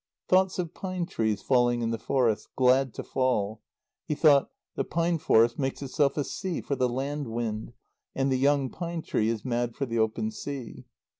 Thoughts of pine trees falling in the forest, glad to fall. He thought: The pine forest makes itself a sea for the land wind, and the young pine tree is mad for the open sea.